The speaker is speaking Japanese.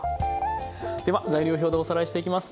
では材料表でおさらいしていきます。